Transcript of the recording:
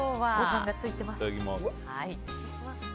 いただきます。